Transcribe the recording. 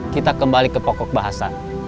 kita kembali ke pokok bahasan